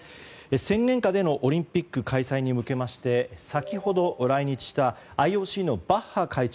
宣言下でのオリンピック開催に向けまして、先ほど来日したＩＯＣのバッハ会長